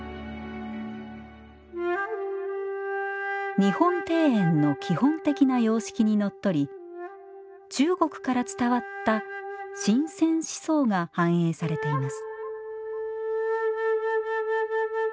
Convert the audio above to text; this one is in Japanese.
日本庭園の基本的な様式にのっとり中国から伝わった神仙思想が反映されています